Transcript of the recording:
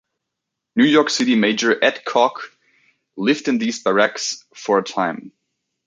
New York City Mayor Ed Koch lived in these barracks for a time.